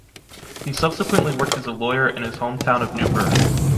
He subsequently worked as a lawyer in his home town of New Bern.